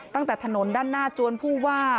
ตั้งแต่ถนนด้านหน้าจวนผู้ว่า